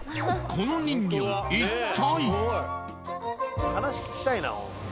この人魚一体？